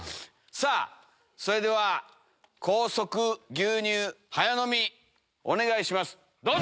さぁそれでは高速牛乳早飲みお願いしますどうぞ！